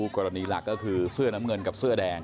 กรณีหลักก็คือเสื้อน้ำเงินกับเสื้อแดง